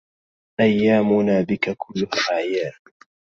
أيامنا بك كلها أعياد